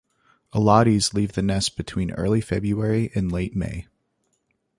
Alates leave the nest between early February and late May.